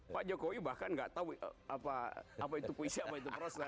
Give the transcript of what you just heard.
pak jokowi bahkan gak tahu apa itu puisi apa itu proses